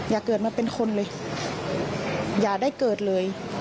อย่าเกิดมาเป็นคนเลยอย่าได้เกิดเลย